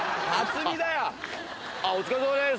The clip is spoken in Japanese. お疲れさまです。